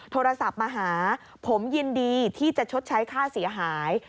โทรศัพท์มาหาผมยินดีที่จะชดใช้ค่าเสียหาย